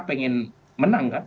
pengen menang kan